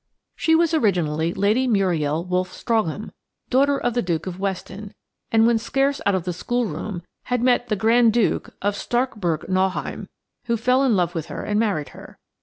She was originally Lady Muriel Wolfe Strongham, daughter of the Duke of Weston, and when scarce out of the schoolroom had met the Grand Duke of Starkburg Nauheim, who fell in love with her and married her.